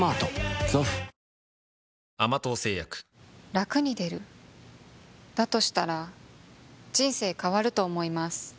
ラクに出る？だとしたら人生変わると思います